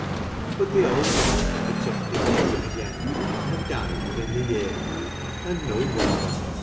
But the old lord never touched his organ again, and died within the year ; and no wonder